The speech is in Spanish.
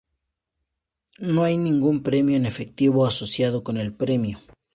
No hay ningún premio en efectivo asociado con el premio.